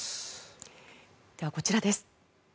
では、こちらです。